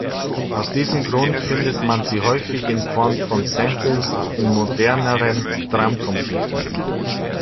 Aus diesem Grund findet man sie häufig in Form von Samples in moderneren Drumcomputern.